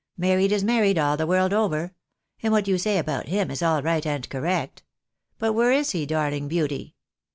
Married is married all the world over. And what you say about him is aU right and correct. But where is he, darling beauty